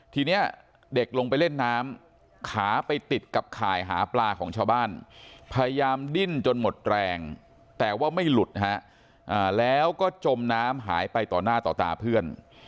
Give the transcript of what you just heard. ทีนี้เด็กลงไปเล่นน้ำขาไปติดกับข่ายหาปลาของชาวบ้านพยายามดิ้นจนหมดแรงแต่ว่าไม่หลุดฮะแล้วก็จมน้ำหายไปต่อหน้าต่อตาเพื่อน